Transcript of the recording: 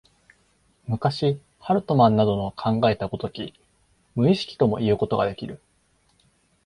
昔、ハルトマンなどの考えた如き無意識ともいうことができる。